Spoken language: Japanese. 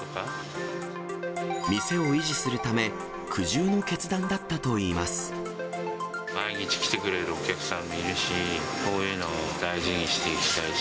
店を維持するため、毎日来てくれるお客さんもいるし、そういうのを大事にしていきたいし。